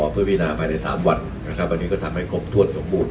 เพื่อพินาภายใน๓วันนะครับวันนี้ก็ทำให้ครบถ้วนสมบูรณ